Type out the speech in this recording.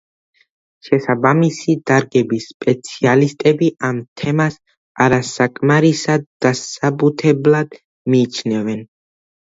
შესაბამისი დარგების სპეციალისტები ამ თეზას არასაკმარისად დასაბუთებულად მიიჩნევენ.